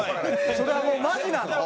それはもうマジなの？